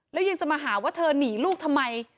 แล้วยังจะมาหาว่าเธอหนีลูกทำไม